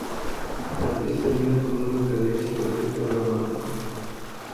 La pieza termina con una cadencia perfecta dramática.